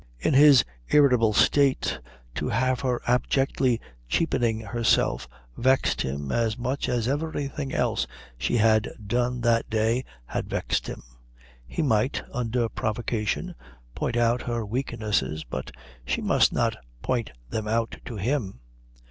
In his irritable state, to have her abjectly cheapening herself vexed him as much as everything else she had done that day had vexed him. He might, under provocation, point out her weaknesses, but she must not point them out to him.